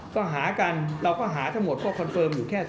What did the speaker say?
ก็หากันเราก็หาทั้งหมดเพราะคอนเฟิร์มอยู่แค่